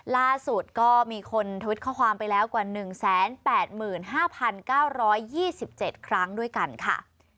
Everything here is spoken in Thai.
ล่าสุดก็มีคนทวิตข้อความไปแล้วกว่า๑๘๕๙๒๗ครั้งด้วยกันค่ะ